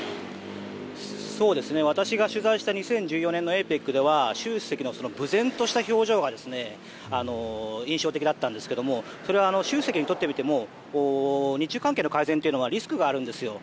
私が取材した２０１４年のＡＰＥＣでは習主席のぶぜんとした表情が印象的だったんですが習主席にとってみても日中関係の改善はリスクがあるんですよ。